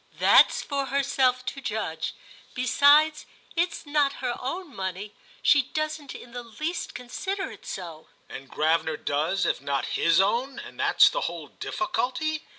"That's for herself to judge. Besides, it's not her own money; she doesn't in the least consider it so." "And Gravener does, if not his own; and that's the whole difficulty?"